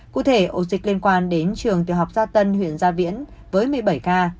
cụ thể ổ dịch liên quan đến trường tiểu học gia tân huyện gia viễn với một mươi bảy ca